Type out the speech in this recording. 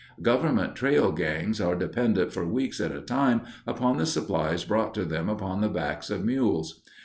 Government trail gangs are dependent for weeks at a time upon the supplies brought to them upon the backs of mules.